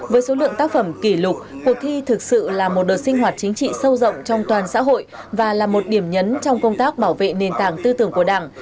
với số lượng tác phẩm kỷ lục cuộc thi thực sự là một đợt sinh hoạt chính trị sâu rộng trong toàn xã hội và là một điểm nhấn trong công tác bảo vệ nền tảng tư tưởng của đảng